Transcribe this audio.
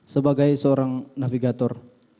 sebagai seorang navigator